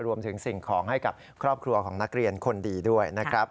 สิ่งของให้กับครอบครัวของนักเรียนคนดีด้วยนะครับ